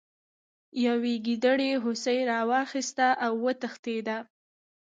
یوې ګیدړې هوسۍ راواخیسته او وتښتیده.